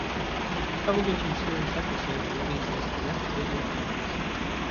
Television series episodes released as direct to video films.